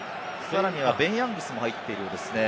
ベン・ヤングスも入っているようですね。